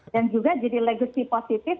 dan juga jadi legacy positif